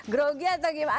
grogi atau gimana